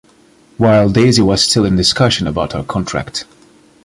While Daisy was still in discussion about her contract.